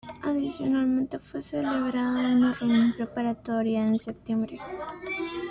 Adicionalmente fue celebrada una reunión preparatoria en septiembre.